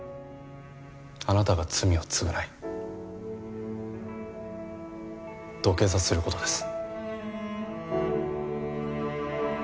あなたが罪を償い土下座する事です。